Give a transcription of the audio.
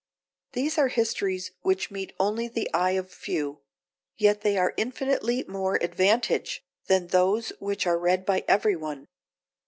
These are histories which meet only the eye of few, yet they are of infinitely more advantage than those which are read by every one.